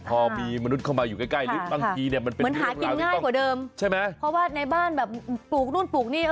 พอมีมนุษย์เข้ามาอยู่ใกล้